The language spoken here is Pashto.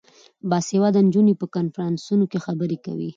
باسواده نجونې په کنفرانسونو کې خبرې کوي.